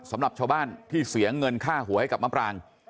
สำหรับชาวบ้านที่เสียเงินค่าหัวให้กับมะปราง